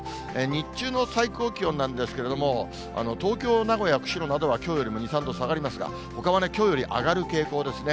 日中の最高気温なんですけれども、東京、名古屋、釧路などは、きょうよりも２、３度下がりますが、ほかはね、きょうより上がる傾向ですね。